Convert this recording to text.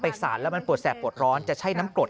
สารแล้วมันปวดแสบปวดร้อนจะใช้น้ำกรด